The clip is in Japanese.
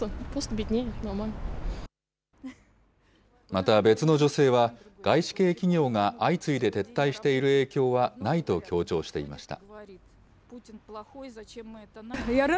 また、別の女性は、外資系企業が相次いで撤退している影響はないと強調していました。